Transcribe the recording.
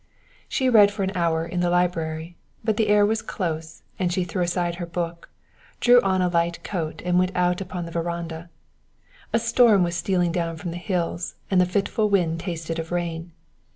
She read for an hour in the library, but the air was close, and she threw aside her book, drew on a light coat and went out upon the veranda. A storm was stealing down from the hills, and the fitful wind tasted of rain.